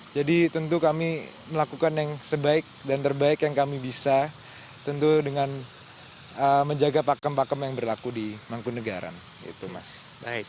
jadi tentu kami melakukan yang sebaik dan terbaik yang kami bisa tentu dengan menjaga pakem pakem yang berlaku di mangkunegaraan